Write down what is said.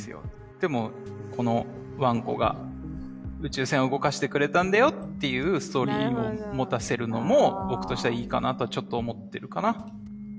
でもこのワンコが宇宙船を動かしてくれたんだよっていうストーリーを持たせるのも僕としてはいいかなとはちょっと思ってるかな。